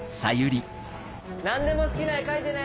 何でも好きな絵描いてね！